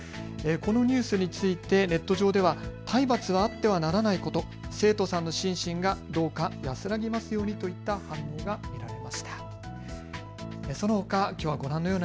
このニュースについてネット上では、体罰はあってはならないこと、生徒さんの心身がどうか安らぎますようにといった反応が見られました。